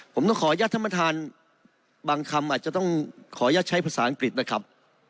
ผมต้องขออนุญาตท่านประธานบางคำอาจจะต้องขออนุญาตใช้ภาษาอังกฤษนะครับ